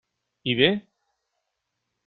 I bé?